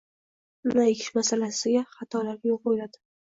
«Nima ekish» masalasida xatolarga yo‘l qo‘yiladi